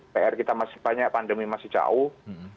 pr kita masih banyak pandemi masih jauh